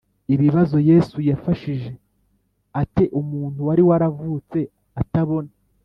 Ibibazo yesu yafashije ate umuntu wari waravutse atabona